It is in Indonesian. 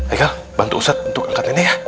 ayo bantu ustad untuk angkat nenek ya